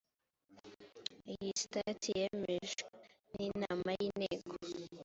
iyi sitati yemejwe n inama y inteko